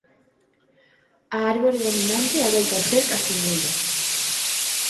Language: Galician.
A árbore dominante adoita ser castiñeiro